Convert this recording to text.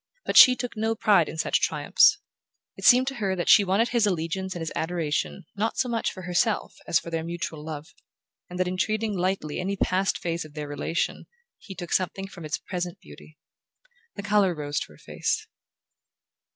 But she took no pride in such triumphs. It seemed to her that she wanted his allegiance and his adoration not so much for herself as for their mutual love, and that in treating lightly any past phase of their relation he took something from its present beauty. The colour rose to her face.